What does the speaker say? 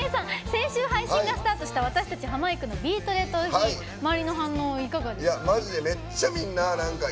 先週、配信がスタートした私たち、ハマいくの「ビートＤＥトーヒ」周りの反応いかがですか？